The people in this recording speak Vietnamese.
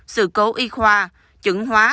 sự cố y khoa chứng hóa